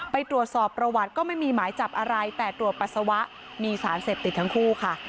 ไปตรวจสอบประวัติก็ไม่มีหมายจับอะไรแต่ตรวจปัสสาวะมีสารเสพติดทั้งคู่ค่ะ